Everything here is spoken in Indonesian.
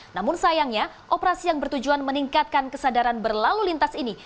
namun sayangnya operasi yang bertujuan meningkatkan kesadaran berlalu lintas ini